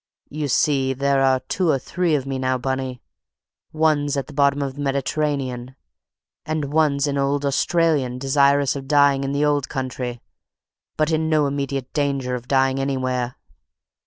"You see, there are two or three of me now, Bunny: one's at the bottom of the Mediterranean, and one's an old Australian desirous of dying in the old country, but in no immediate danger of dying anywhere.